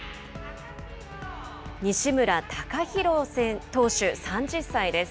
西村天裕投手３０歳です。